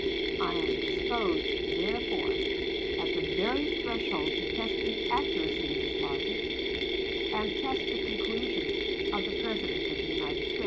I am disposed, therefore, at the very threshold to test the accuracy of this logic, and test the conclusions of the President of the United States."